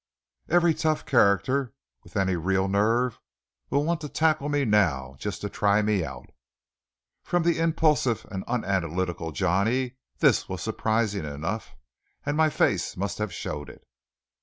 Every tough character with any real nerve will want to tackle me now, just to try me out." From the impulsive and unanalytical Johnny this was surprising enough, and my face must have showed it.